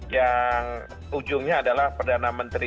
yang ujungnya adalah perdana menteri